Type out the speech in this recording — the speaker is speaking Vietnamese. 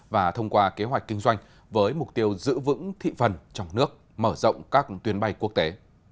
và thông qua kế hoạch kinh doanh với mục tiêu giữ vững thị phần trong nước mở rộng các tuyến bay quốc tế